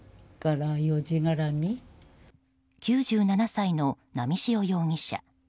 ９７歳の波汐容疑者。